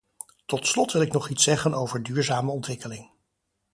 Tot slot wil ik nog iets zeggen over duurzame ontwikkeling.